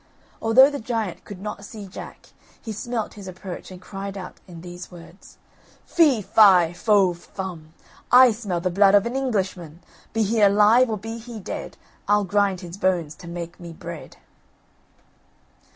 Although the giant could not see Jack, he smelt his approach, and cried out in these words: "Fee, fi, fo, fum! I smell the blood of an Englishman! Be he alive or be he dead, I'll grind his bones to make me bread!"